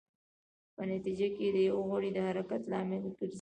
په نتېجه کې د یو غړي د حرکت لامل ګرځي.